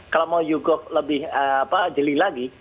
kalau mau yugok lebih jeli lagi